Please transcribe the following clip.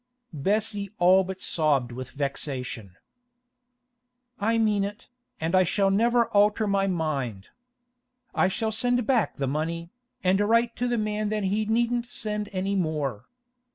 Bessie all but sobbed with vexation. 'I mean it, and I shall never alter my mind. I shall send back the money, and write to the man that he needn't send any more.